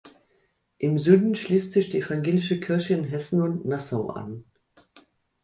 Im Süden schließt sich die Evangelische Kirche in Hessen und Nassau an.